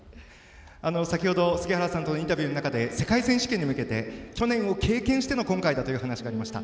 先程、杉原さんとのインタビューの中で世界選手権に向けて去年を経験しての今回だという話がありました。